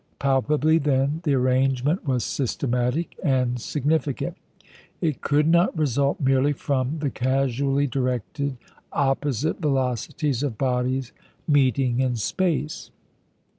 Palpably, then, the arrangement was systematic and significant; it could not result merely from the casually directed, opposite velocities of bodies meeting in space.